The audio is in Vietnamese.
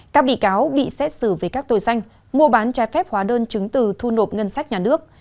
các bị cáo bị xét xử về các tội danh mua bán trái phép hóa đơn chứng từ thu nộp ngân sách nhà nước